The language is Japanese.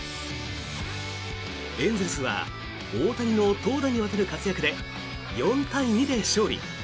エンゼルスは大谷の投打にわたる活躍で４対２で勝利。